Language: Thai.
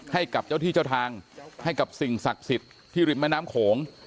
ให้กับเจ้าที่เจ้าทางให้กับสิ่งศักดิ์สิทธิ์ที่ริมแม่น้ำโขง